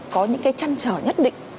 có những cái trăn trở nhất định